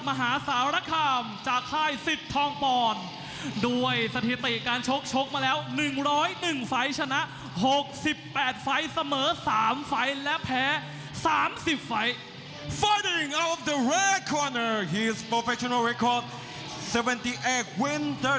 เอาล่ะครับเราเดินทางมาถึงคุณเอกนำรายการแล้วนะครับ